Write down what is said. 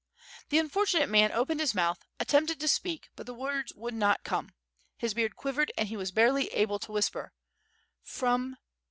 *' The unfortunate man opened his mouth, attempted to speak, hut the words would not come, his heard quivered and he was harely able to wliisper: •^From